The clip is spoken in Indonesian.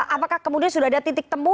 apakah kemudian sudah ada titik temu